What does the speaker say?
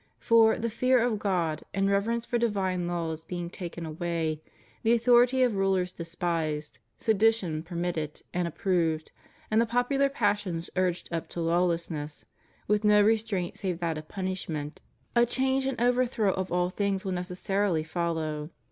For, the fear of God and reverence for divine laws being taken away, the authority of rulers despised, sedition permitted and approved, and the popular passions urged on to law lessness, with no restraint save that of punishment, a change and overthrow of all things will necessarily follow.